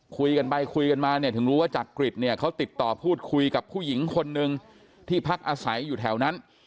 คุยกันไปคุยกันมาเนี่ยถึงรู้ว่าจักริตเนี่ยเขาติดต่อพูดคุยกับผู้หญิงคนนึงที่พักอาศัยอยู่แถวนั้น